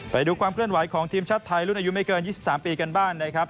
ไปดูความเคลื่อนไหวของทีมชาติไทยรุ่นอายุไม่เกิน๒๓ปีกันบ้านนะครับ